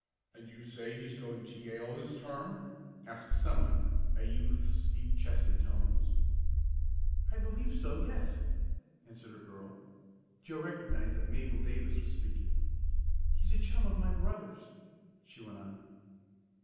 "And you say he's going to Yale this term?" asked someone a youth's deep chested tones. "I believe so yes," answered a girl. Joe recognized that Mabel Davis was speaking. "He's a chum of my brother's," she went on.